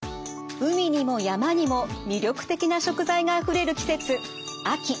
海にも山にも魅力的な食材があふれる季節秋。